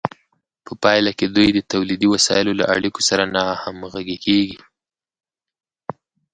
په پایله کې دوی د تولیدي وسایلو له اړیکو سره ناهمغږې کیږي.